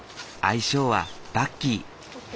愛称はバッキー。